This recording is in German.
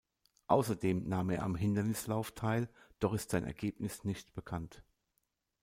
Außerdem nahm er am Hindernislauf teil, doch ist sein Ergebnis nicht bekannt.